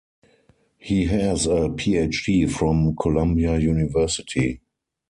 He has a PhD from Columbia University.